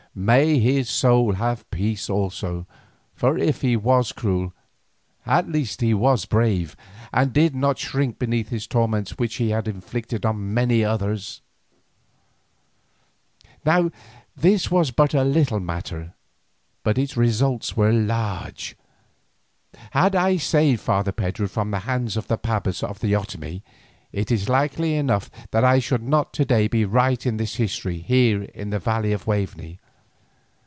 May his soul have peace also, for if he was cruel, at least he was brave, and did not shrink beneath those torments which he had inflicted on many others. Now this was a little matter, but its results were large. Had I saved Father Pedro from the hands of the pabas of the Otomie, it is likely enough that I should not to day be writing this history here in the valley of the Waveney.